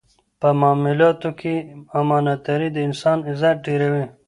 په معاملاتو کې امانتداري د انسان عزت ډېروي.